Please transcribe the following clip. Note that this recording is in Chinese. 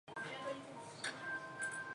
他还占领了西南方的阿尔萨瓦。